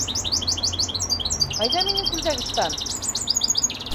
Ҡайҙа минең күлдәк-ыштан?